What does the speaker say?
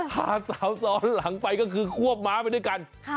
พาสาวซ้อนหลังไปก็คือควบม้าไปด้วยกัน